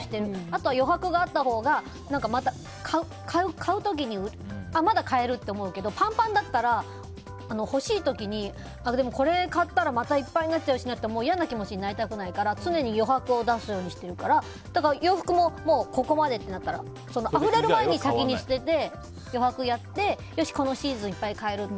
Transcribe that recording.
あとは余白があったほうがまた買う時にまだ買えるって思うけどパンパンだったら欲しい時にでも、これ買ったらまたいっぱいになっちゃうしなって嫌な気持ちになりたくないから常に余白を出すようにしてるから洋服もここまでとなったらあふれる前に先に捨てて、余白やってよし、このシーズンいっぱい買える。